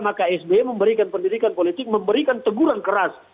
maka sby memberikan pendidikan politik memberikan teguran keras